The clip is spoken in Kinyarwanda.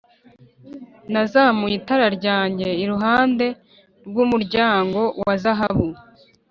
nazamuye itara ryanjye iruhande rw'umuryango wa zahabu!